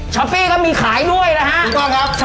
ช้อปปี้ก็มีขายด้วยนะคะ